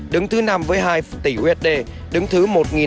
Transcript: đứng thứ năm với hai tỷ usd đứng thứ một năm trăm một mươi chín